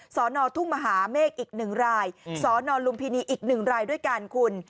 สนทุ่งมหาเมฆอีก๑รายสนลุมพินีอีก๑รายด้วยกันคุณ